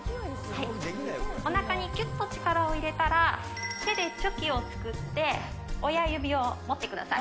おなかにきゅっと力を入れたら、手でチョキを作って、親指を持ってください。